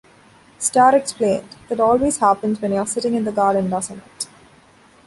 Starr explained: That always happens when you're sittin' in the garden, doesn't it?